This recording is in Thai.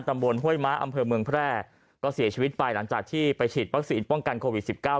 ห้วยม้าอำเภอเมืองแพร่ก็เสียชีวิตไปหลังจากที่ไปฉีดวัคซีนป้องกันโควิด๑๙